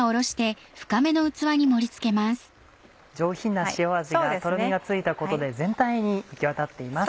上品な塩味がとろみがついたことで全体に行きわたっています。